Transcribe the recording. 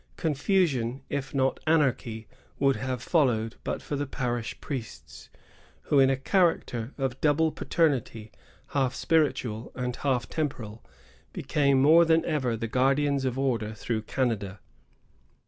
Confusion, if not anarchy, would have followed but for the parish priests, who, in a character of double paternity, half spiritual and half temporal, became more than ever the guardians of order throughout Canada.